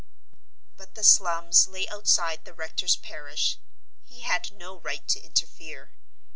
But the slums lay outside the rector's parish. He had no right to interfere.